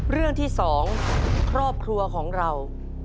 เรื่องที่๒ครอบครัวของเรา